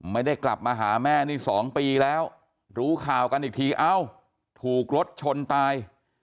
ไม่ได้กลับมาหาแม่นี่๒ปีแล้วรู้ข่าวกันอีกทีเอ้าถูกรถชนตาย